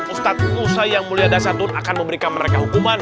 ustaz nusa yang mulia dasar itu akan memberikan mereka hukuman